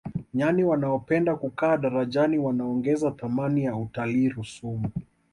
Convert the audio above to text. nyani wanaopenda kukaa darajani wanaongeza thamani ya utalii rusumo